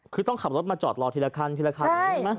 คือต้องขับรถมาจอดรอทีละคันทีละคันใช่ไหม